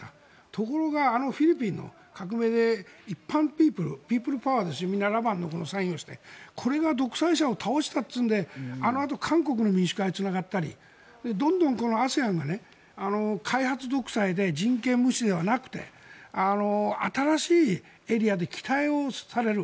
ところがフィリピンの革命で一般ピープルピープルパワー７番のサインをしてこれが独裁者を倒したというのであのあと韓国の民主化につながったりどんどんＡＳＥＡＮが開発独裁で人権無視ではなく新しいエリアで期待をされる。